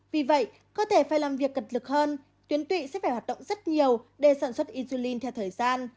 vì vậy cơ thể phải làm việc cật lực hơn tuyến tụy sẽ phải hoạt động rất nhiều để sản xuất in theo thời gian